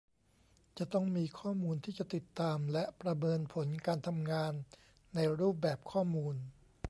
จะต้องมีข้อมูลที่จะติดตามและประเมินผลการทำงาน ในรูปแบบข้อมูล